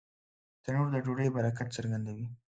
تنور د ډوډۍ برکت څرګندوي